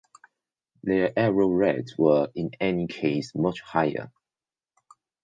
Their error rates were, in any case, much higher.